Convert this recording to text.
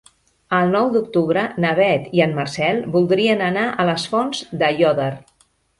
El nou d'octubre na Beth i en Marcel voldrien anar a les Fonts d'Aiòder.